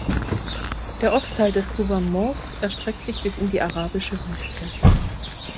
Der Ostteil des Gouvernements erstreckt sich bis in die Arabische Wüste.